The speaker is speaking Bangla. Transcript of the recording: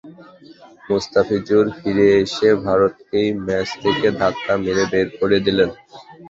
মুস্তাফিজুর ফিরে এসে ভারতকেই ম্যাচ থেকে ধাক্কা মেরে বের করে দিলেন।